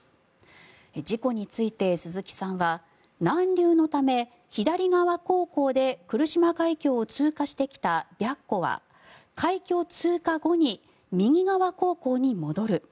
事故について、鈴木さんは南流のため左側航行で来島海峡を通過してきた「白虎」は海峡通過後に右側航行に戻る。